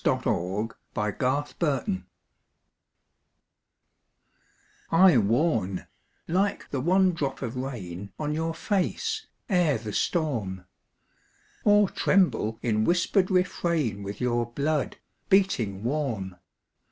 THE VOICE OF THE VOID I warn, like the one drop of rain On your face, ere the storm; Or tremble in whispered refrain With your blood, beating warm.